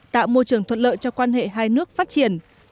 tạo môi trường thuận lợi cho quan hệ hai nước phát triển